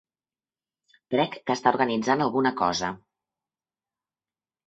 Crec que està organitzant alguna cosa.